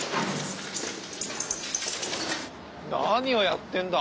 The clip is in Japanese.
何をやってんだ？